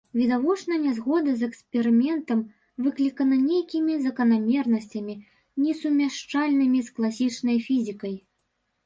Відавочна нязгода з эксперыментам выклікана нейкімі заканамернасцямі, несумяшчальнымі з класічнай фізікай.